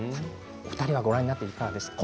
２人はご覧になっていかがですか。